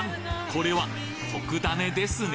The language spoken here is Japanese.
これは特ダネですね